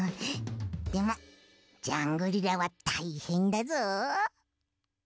でもジャングリラはたいへんだぞ。